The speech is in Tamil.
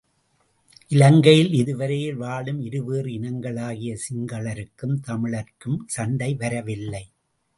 இலங்கையில் இதுவரையில் வாழும் இருவேறு இனங்களாகிய சிங்களருக்கும் தமிழர்க்கும் சண்டை வரவில்லை.